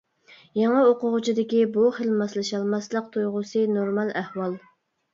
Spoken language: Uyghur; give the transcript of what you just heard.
يېڭى ئوقۇغۇچىدىكى بۇ خىل ماسلىشالماسلىق تۇيغۇسى نورمال ئەھۋال.